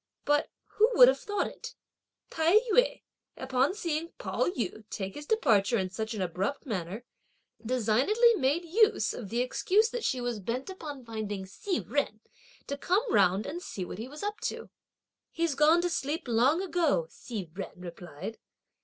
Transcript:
But, who would have thought it, Tai yü, upon seeing Pao yü take his departure in such an abrupt manner, designedly made use of the excuse that she was bent upon finding Hsi Jen, to come round and see what he was up to. "He's gone to sleep long ago!" Hsi Jen replied.